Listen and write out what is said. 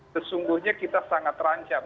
sesungguhnya kita sangat terancam